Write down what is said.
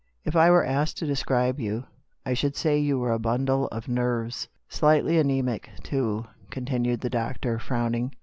If I were asked to describe you, I should say you were a bundle of nerves. Slightly anaemic, too," continued the doctor, frowning.